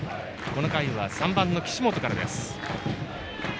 この回は３番の岸本から。